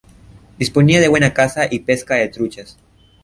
Disponía de buena caza y pesca de truchas.